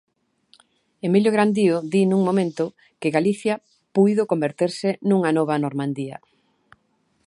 Emilio Grandío di nun momento que" Galicia puido converterse nunha nova Normandía".